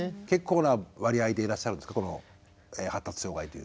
結構な割合でいらっしゃるんですか。